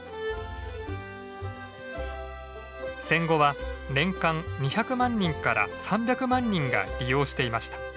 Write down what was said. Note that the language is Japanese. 戦後は年間２００万人から３００万人が利用していました。